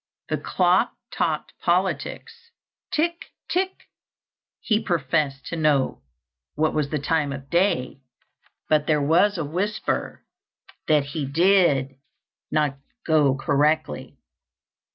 The clock talked politics "tick, tick;" he professed to know what was the time of day, but there was a whisper that he did not go correctly.